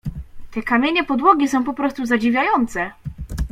"Te kamienie podłogi są poprostu zadziwiające."